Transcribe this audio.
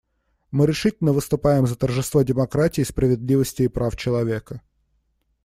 Мы решительно выступаем за тожество демократии, справедливости и прав человека.